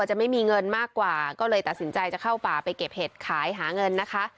จะไม่มีเงินมากกว่าก็เลยตัดสินใจจะเข้าป่าไปเก็บเห็ดขายหาเงินนะคะ